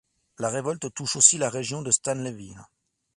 La révolte touche aussi la région de Stanleyville.